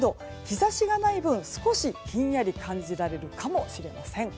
日差しがない分、少しひんやり感じられるかもしれません。